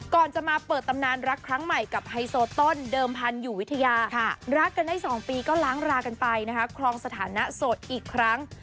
ก่อนจะมาเปิดตำนานรักครั้งใหม่กับไฮโซต้นเดิมพันธุ์อยู่วิทยารักกันได้๒ปีก็ล้างรากันไปนะคะครองสถานะโสดอีกครั้ง